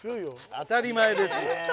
当たり前ですよ。